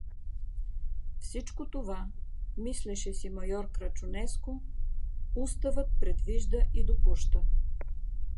Всичко това, мислеше си майор Крачунеско, уставът предвижда и допуща.